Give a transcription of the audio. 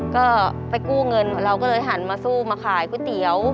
ก็ไปกู้เงินเราก็เลยหันมาสู้มาขายก๋วยเตี๋ยว